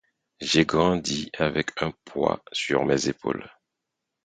J'ai grandi avec un poids sur mes épaules.